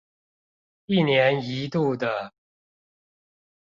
一年一度的